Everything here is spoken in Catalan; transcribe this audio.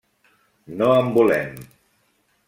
No en volem.